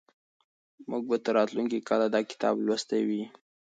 موږ به تر راتلونکي کاله دا کتاب لوستلی وي.